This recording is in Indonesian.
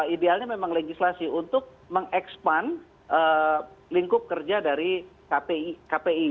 idealnya memang legislasi untuk mengekspan lingkup kerja dari kpi